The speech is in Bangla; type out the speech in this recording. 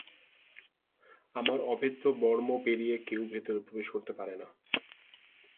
আমার অভেদ্য বর্ম পেরিয়ে কেউ ভেতরে প্রবেশ করতে পারে না।